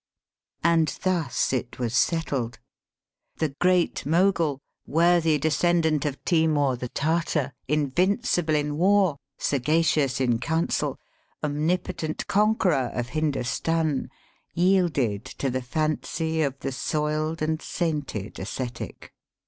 And thus it was settled. The Great Mogul, worthy descendant of Timour the Tartar, invincible in war, sagacious in .council, omnipotent conqueror of Hindostan, yielded to the fancy of the soiled and sainted ascetic.